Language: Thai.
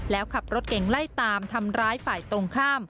แล้วขับรถเก่งไล่ตามทำร้ายฝ่ายตรงข้าม